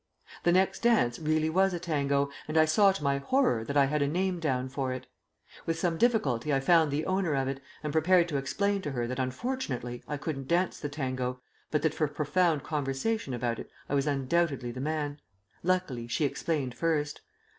The next dance really was a tango, and I saw to my horror that I had a name down for it. With some difficulty I found the owner of it, and prepared to explain to her that unfortunately I couldn't dance the tango, but that for profound conversation about it I was undoubtedly the man. Luckily she explained first.